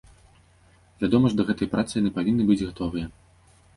Вядома ж, да гэтай працы яны павінны быць гатовыя.